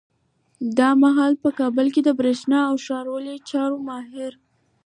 دا مهال په کابل کي د برېښنا او ښاروالۍ چارو ماهر